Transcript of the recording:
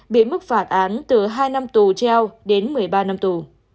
bị mức phản án từ hai năm tù treo đến một mươi ba năm tù